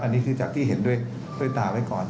อันนี้คือจากที่เห็นด้วยตาไว้ก่อน